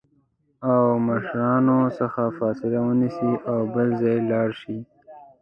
او مشرانو څخه فاصله ونیسي او بل ځای لاړ شي